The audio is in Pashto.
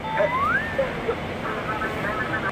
o راست اوسه، ناست اوسه٫